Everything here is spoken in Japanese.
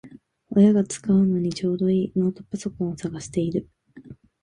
親が使うのにちょうどいいノートパソコンを探してる